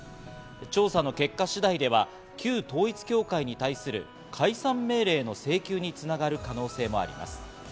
調査の結果次第では旧統一教会に対する解散命令の請求に繋がる可能性もあります。